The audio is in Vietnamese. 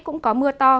cũng có mưa to